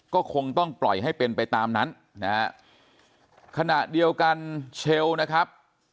ก็คงต้องปล่อยให้เป็นไปตามนั้นนะฮะขณะเดียวกันเชลล์นะครับ